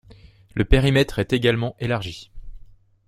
Le périmètre est également élargi.